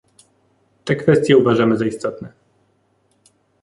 Te kwestie uważamy za istotne